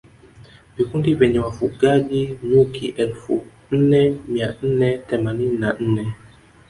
Vikundi vyenye wafugaji nyuki elfu nne mia nne themanini na nne